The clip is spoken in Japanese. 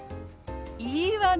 いいわね！